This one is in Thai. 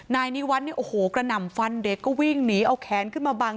นายนิวัตรกระหน่ำฟันเด็กก็วิ่งหนีเอาแขนขึ้นมาบัง